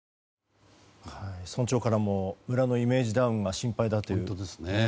村長からも、村のイメージダウンが心配だという。